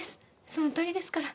そのとおりですから。